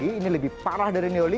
kita sebatang orangly